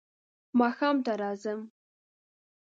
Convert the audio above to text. ماښام ته راځم .